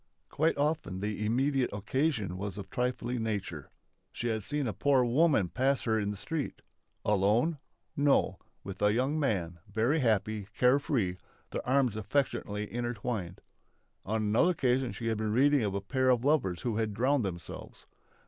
Quite often the immediate occasion was of a trifling nature. She had seen a poor woman pass her in the street. Alone? No with a young man, very happy, care free, their arms affectionately intertwined. On another occasion she had been reading of a pair of lovers who had drowned themselves.